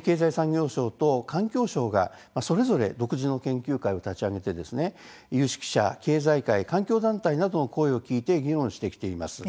経済産業省と環境省がそれぞれ独自の研究会を立ち上げて有識者や経済界、環境団体などの声を聞いて議論してきています。